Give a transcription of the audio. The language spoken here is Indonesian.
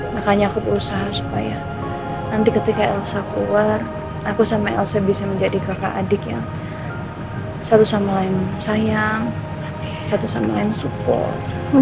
makanya aku berusaha supaya nanti ketika elsa keluar aku sama elsa bisa menjadi kakak adik yang satu sama lain sayang satu sama lain support